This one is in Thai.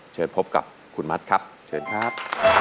เชิญพบกับคุณมัดครับเชิญครับ